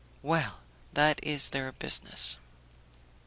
"Well, that is their business."